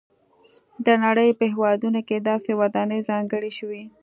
د نړۍ په هېوادونو کې داسې ودانۍ ځانګړې شوي.